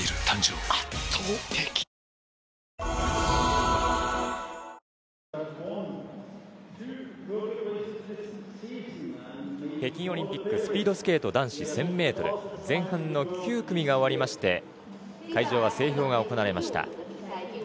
誕生圧倒的北京オリンピックスピードスケート男子１０００ｍ前半の９組が終わりまして会場は整氷が行われました。